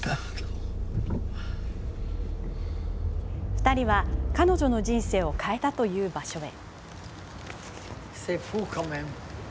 ２人は彼女の人生を変えたという場所へ。